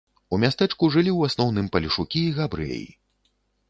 У мястэчку жылі ў асноўным палешукі і габрэі.